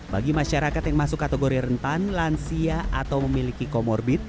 bagi masyarakat yang masuk kategori rentan lansia atau memiliki comorbid